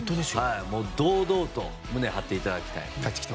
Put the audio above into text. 堂々と胸張っていただきたい。